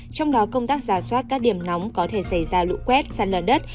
trong đó công tác giả soát các điểm nóng có thể xảy ra lũ quét ra là đất